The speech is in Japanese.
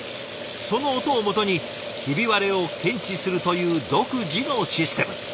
その音をもとにヒビ割れを検知するという独自のシステム。